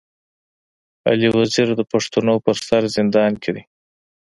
علي وزير د پښتنو پر سر زندان کي دی.